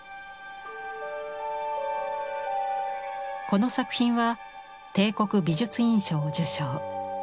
この作品は帝国美術院賞を受賞。